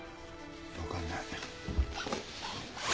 分かんない。